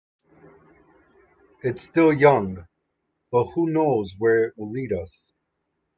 It's still young, but who knows where it will lead us.